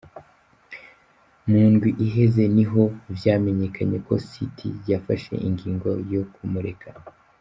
Mu ndwi iheze ni ho vyamenyekanye ko City yafashe ingingo yo kumureka.